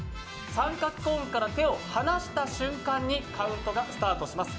三角コーンから手を離した瞬間にカウントがスタートします。